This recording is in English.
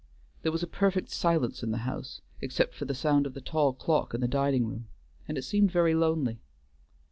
There was a perfect silence in the house, except for the sound of the tall clock in the dining room, and it seemed very lonely.